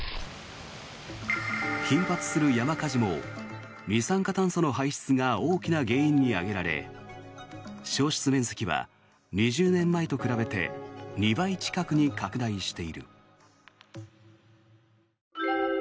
頻発する山火事も二酸化炭素の排出が大きな原因に挙げられ焼失面積は２０年前と比べて２倍近くに拡大している。